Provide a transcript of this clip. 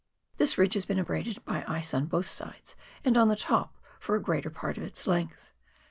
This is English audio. This ridge has been abraded by ice on both sides, and on the top for a greater part of its length.